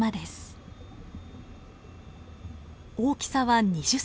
大きさは２０ｃｍほど。